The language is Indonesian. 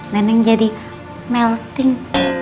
dan yang jadi melting